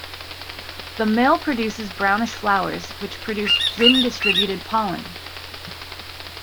The male produces brownish flowers which produce wind-distributed pollen.